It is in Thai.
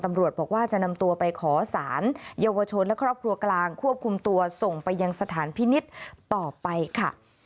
ตำรวจบอกว่าจะนำตัวไปขอสารเยาวชนและครอบครัวกลางควบคุมตัวส่งไปยังสถานพินิษฐ์ต่อไปค่ะ